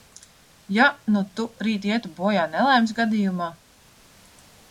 Ja nu tu rīt ietu bojā nelaimes gadījumā?